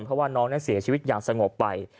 เพราะว่าน้องนั้นเสียชีวิตอย่างสงบไป